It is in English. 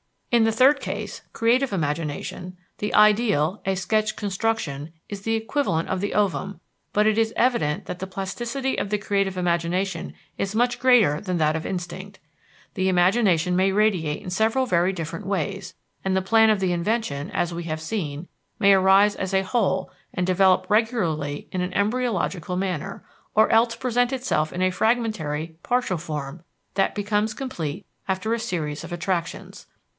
In the third case, creative imagination, the ideal, a sketched construction, is the equivalent of the ovum; but it is evident that the plasticity of the creative imagination is much greater than that of instinct. The imagination may radiate in several very different ways, and the plan of the invention, as we have seen, may arise as a whole and develop regularly in an embryological manner, or else present itself in a fragmentary, partial form that becomes complete after a series of attractions.